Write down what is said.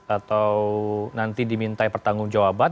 atau nanti diminta pertanggung jawaban